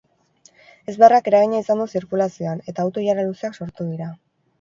Ezbeharrak eragina izan du zirkulazioan, eta auto-ilara luzeak sortu dira.